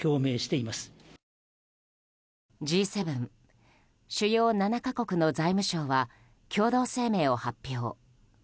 Ｇ７・主要７か国の財務相は共同声明を発表。